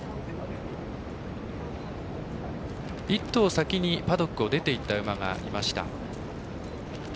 １頭先にパドックを出ていった馬がいました。